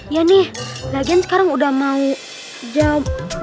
ya nih lagen sekarang udah mau jam dua belas tiga puluh